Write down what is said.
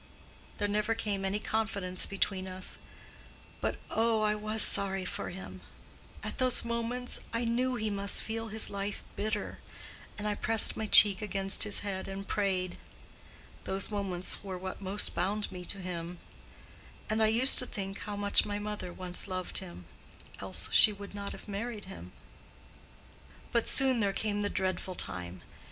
There never came any confidence between us; but oh, I was sorry for him. At those moments I knew he must feel his life bitter, and I pressed my cheek against his head and prayed. Those moments were what most bound me to him; and I used to think how much my mother once loved him, else she would not have married him. "But soon there came the dreadful time.